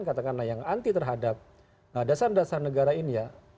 katakanlah yang anti terhadap dasar dasar negara ini ya